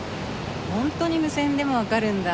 本当に無線でもわかるんだ。